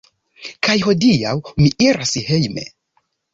Kaj hodiaŭ mi iras hejme